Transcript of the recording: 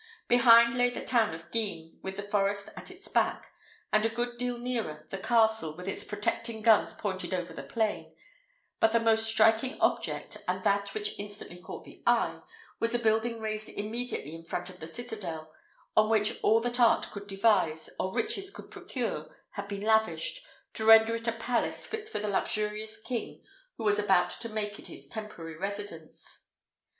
Behind lay the town of Guisnes, with the forest at its back; and a good deal nearer, the castle, with its protecting guns pointed over the plain; but the most striking object, and that which instantly caught the eye, was a building raised immediately in front of the citadel, on which all that art could devise, or riches could procure, had been lavished, to render it a palace fit for the luxurious king who was about to make it his temporary residence.